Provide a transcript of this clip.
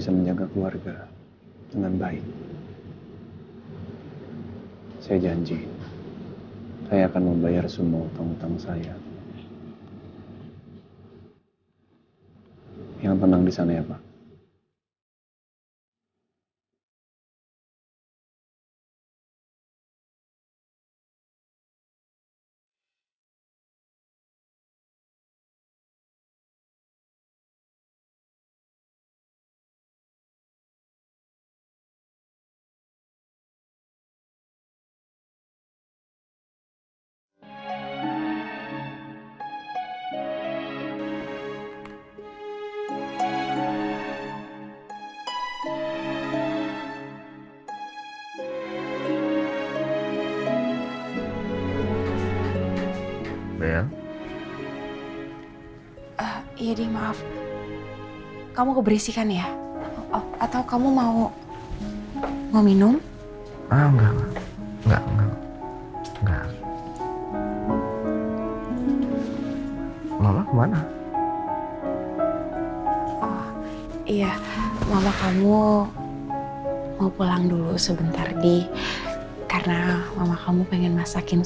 sama kalau udah punya keinginan pasti dilakuin